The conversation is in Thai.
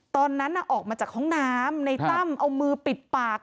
ตอนนั้นออกมาจากห้องน้ำในตั้มเอามือปิดปาก